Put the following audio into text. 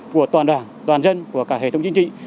của toàn đảng toàn dân của cả hệ thống chính trị